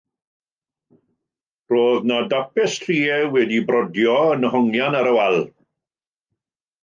Roedd yna dapestrïau wedi'u brodio yn hongian ar y wal.